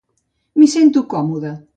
M'hi sento còmode.